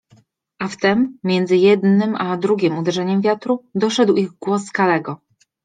A wtem, między jednym a drugiem uderzeniem wiatru, doszedł ich głos Kalego.